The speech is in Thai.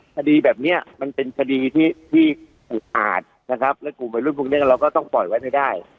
คดีแบบนี้มันเป็นคดีที่อุกอาจนะครับและกลุ่มวัยรุ่นพวกนี้เราก็ต้องปล่อยไว้ให้ได้